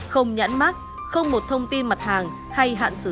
không nhãn mát không một thông tin mặt hàng hay hạn sử dụng